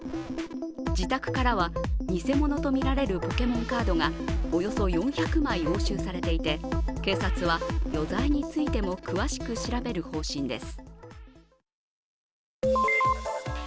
自宅からは、偽物とみられるポケモンカードがおよそ４００枚押収されていて、警察は余罪についても詳しく調べる方針です。